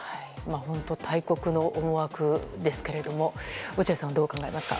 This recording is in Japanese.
本当、大国の思惑ですけど落合さんはどうお考えになりますか。